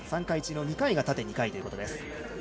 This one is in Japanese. ３回中、２回が縦２回ということです。